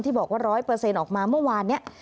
บอกว่า๑๐๐ออกมาเมื่อวานนี้